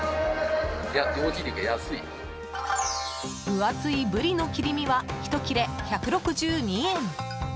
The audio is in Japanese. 分厚いブリの切り身は一切れ１６２円。